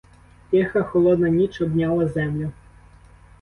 Тиха, холодна ніч обняла землю.